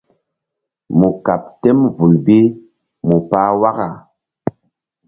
Mu kaɓ tem vul bi mu pah waka.